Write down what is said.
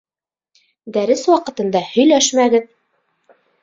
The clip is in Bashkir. Дәрес ваҡытында һөйләшмәгеҙ.